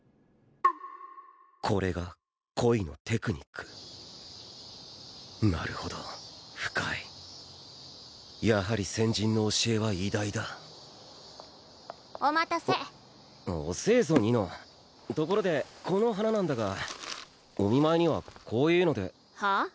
これが恋のテクニックなるほど深いやはり先人の教えは偉大だお待たせ遅えぞ二乃ところでこの花なんだがお見舞いにはこういうのではあ？